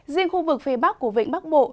riêng khu vực phía bắc của vĩnh bắc bộ